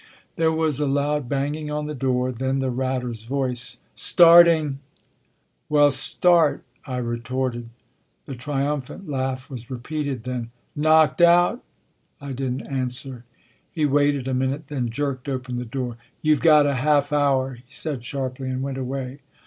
At Two Forks There was a loud banging on the door, then the Ratter s voice :" Starting !" "Well, start!" I retorted. The triumphant laugh was repeated, then, "Knocked out?" I didn t answer. He waited a minute, then jerked open the door. " You ve got a half hour," he said sharply, and went away.